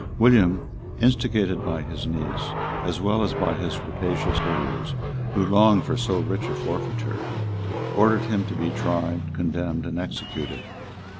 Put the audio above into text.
William, instigated by his niece, as well as by his rapacious courtiers, who longed for so rich a forfeiture, ordered him to be tried, condemned, and executed.